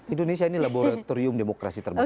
indonesia ini laboratorium demokrasi terbesar